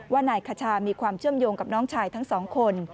ว่านายคชามีความเชื่อมโยงกับน้องชายทั้งสองคน